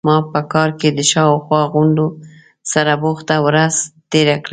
ما په کار کې د شا او خوا غونډو سره بوخته ورځ تیره کړه.